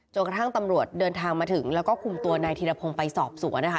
กระทั่งตำรวจเดินทางมาถึงแล้วก็คุมตัวนายธีรพงศ์ไปสอบสวนนะคะ